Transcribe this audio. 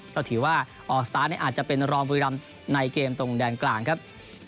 ก็ถือว่าออกสตาร์ทอาจจะเป็นรองบุรีรำในเกมตรงแดนกลางครับ